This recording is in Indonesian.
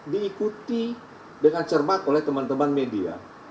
diikuti dengan cermat oleh teman teman media